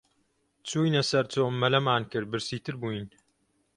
چووینە سەر چۆم، مەلەمان کرد، برسیتر بووین